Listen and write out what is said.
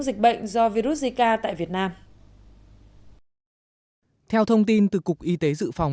dịch bệnh do virus zika tại việt nam theo thông tin từ cục y tế dự phòng